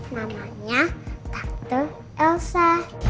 namanya tante elsa